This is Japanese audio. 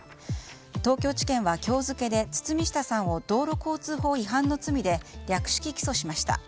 東京地検は今日付で堤下さんを道路交通法違反の罪で略式起訴しました。